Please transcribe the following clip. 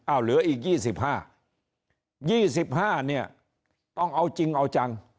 อ้าวเหลืออีกยี่สิบห้ายี่สิบห้าเนี่ยต้องเอาจริงเอาจัง